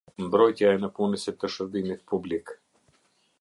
Mbrojtja e nëpunësit të shërbimit publik.